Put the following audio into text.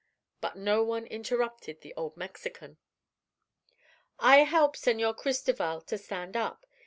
But no one interrupted the old Mexican. "I help Senor Cristoval to stand up.